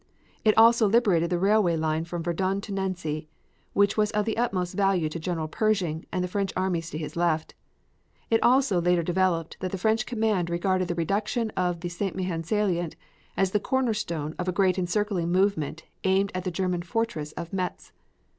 It also liberated the railway line from Verdun to Nancy, which was of the utmost value to General Pershing and the French armies to his left. It also later developed that the French command regarded the reduction of the St. Mihiel salient as the corner stone of a great encircling movement aimed at the German fortress of Metz.